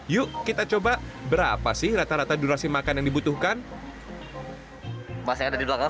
yuk kita coba berapa sih rata rata durasi makan yang dibutuhkan masih ada di belakang